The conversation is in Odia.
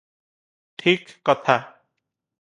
ଠିକ କଥା ।